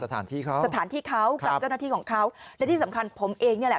สถานที่เขาสถานที่เขากับเจ้าหน้าที่ของเขาและที่สำคัญผมเองนี่แหละ